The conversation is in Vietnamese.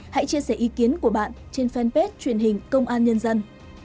hãy chia sẻ ý kiến của bạn trên fanpage truyền hình công an nhân dân